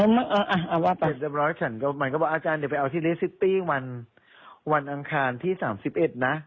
มันก็บอกว่าอาจารย์เดี๋ยวไปเอาที่วันวันอังคารที่สามสิบเอ็ดนะ